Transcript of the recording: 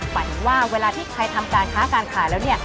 ฝันว่าเวลาที่ใครทำการค้าการขายแล้วเนี่ย